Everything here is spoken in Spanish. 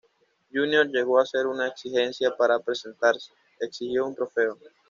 Júnior llegó a hacer una "exigencia" para presentarse: exigió un trofeo.